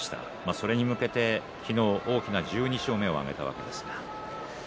それに向けて昨日、大きな１２勝目を挙げたわけです。